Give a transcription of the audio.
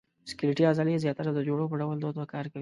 سکلیټي عضلې زیاتره د جوړو په ډول دوه دوه کار کوي.